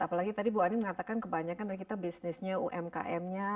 apalagi tadi bu ani mengatakan kebanyakan dari kita bisnisnya umkm nya